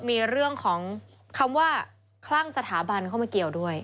มีเรื่องของคำว่าคลั่งสถาบันเข้ามาเกี่ยวด้วย